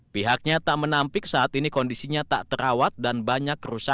pihaknya tak menampik saat ini kondisinya tak terawat dan banyak kerusakan